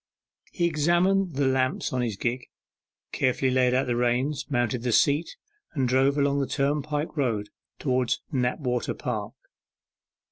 He examined the lamps of his gig, carefully laid out the reins, mounted the seat and drove along the turnpike road towards Knapwater Park.